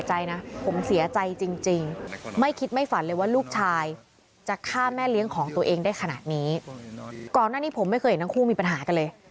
ก่อนหน้านี้ผมไม่เคยเห็นทั้งคู่มีปัญหากันเลย